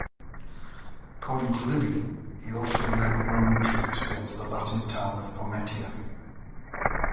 According to Livy, he also led Roman troops against the Latin town of Pometia.